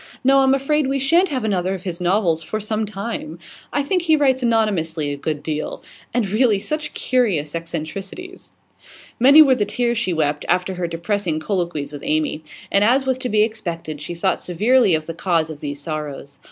No, I'm afraid we shan't have another of his novels for some time. I think he writes anonymously a good deal. And really, such curious eccentricities!' Many were the tears she wept after her depressing colloquies with Amy; and, as was to be expected, she thought severely of the cause of these sorrows.